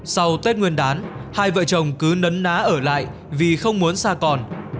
sau tết nguyên đán hai vợ chồng cứ nấn ná ở lại vì không muốn xa còn